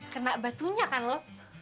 kena batunya kan lo